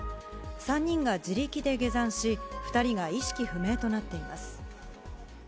３人が自力で下山し、２人が意識不明となっています。